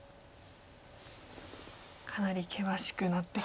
かなり険しくなってきてますね。